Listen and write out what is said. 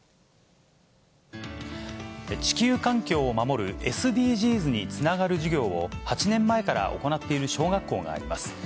地球環境を守るＳＤＧｓにつながる事業を、８年前から行っている小学校があります。